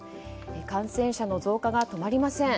感染者の増加が止まりません。